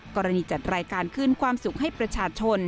จัดรายการคืนความสุขให้ประชาชน